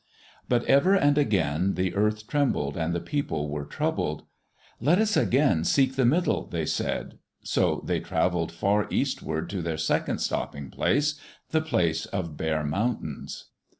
But ever and again the earth trembled and the people were troubled. "Let us again seek the Middle," they said. So they travelled far eastward to their second stopping place, the Place of Bare Mountains.